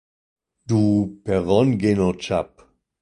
Du Perron-Genootschap".